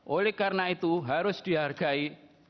oleh karena itu harus dihargai